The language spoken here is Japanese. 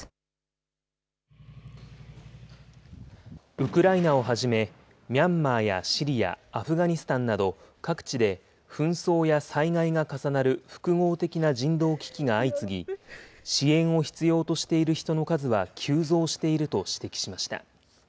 ウクライナをはじめ、ミャンマーやシリア、アフガニスタンなど、各地で紛争や災害が重なる複合的な人道危機が相次ぎ、支援を必要としている人の数は急増していると指摘しました。